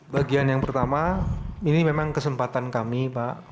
bagian yang pertama ini memang kesempatan kami pak